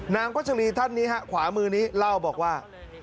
วัชรีท่านนี้ฮะขวามือนี้เล่าบอกว่า